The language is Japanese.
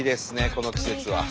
この季節は。